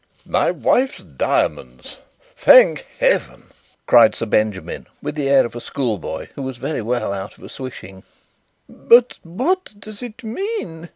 "My wife's diamonds, thank heaven!" cried Sir Benjamin, with the air of a schoolboy who was very well out of a swishing. "But what does it mean?"